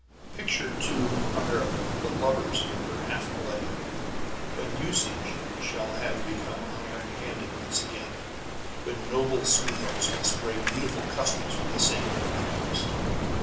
Picture to America the lovers in her half millennium, when usage shall have become iron handed once again, when noble sweethearts must break beautiful customs for the sake of their dreams.